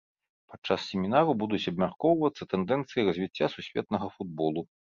Падчас семінару будуць абмяркоўвацца тэндэнцыі развіцця сусветнага футболу.